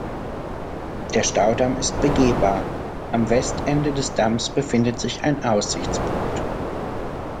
Der Staudamm ist begehbar, am Westende des Damms befindet sich ein Aussichtspunkt.